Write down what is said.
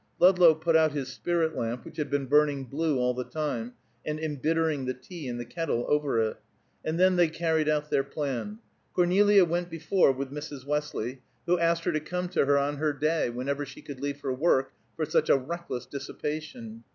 Ludlow put out his spirit lamp, which had been burning blue all the time, and embittering the tea in the kettle over it, and then they carried out their plan. Cornelia went before with Mrs. Westley, who asked her to come to her on her day, whenever she could leave her work for such a reckless dissipation.